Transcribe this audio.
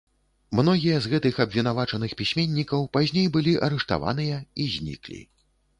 Многія з гэтых абвінавачаных пісьменнікаў пазней былі арыштаваныя і зніклі.